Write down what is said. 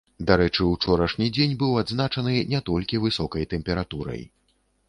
Дарэчы, ўчорашні дзень быў адзначаны не толькі высокай тэмпературай.